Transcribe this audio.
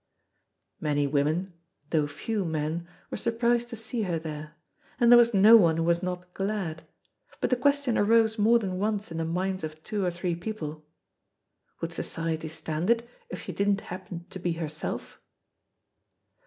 Many women, though few men, were surprised to see her there, and there was no one who was not glad; but the question arose more than once in the minds of two or three people, "Would society stand it if she didn't happen to be herself?"